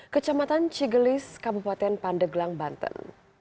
kecamatan cigelis kabupaten pandeglang banten